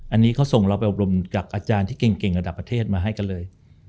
อันนี้เขาส่งเราไปอบรมจากอาจารย์ที่เก่งระดับประเทศมาให้กันเลย